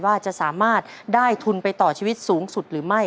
ว่าจะสามารถได้ทุนไปต่อชีวิตสูงสุดหรือไม่